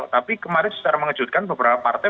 tapi kemarin secara mengejutkan beberapa partai